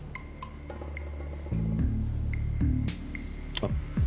あっ。